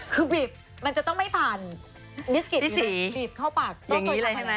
คือบีบมันจะต้องไม่ผ่านบิสกิฟต์บีบเข้าปากต้องต้นกันไปเลยนะ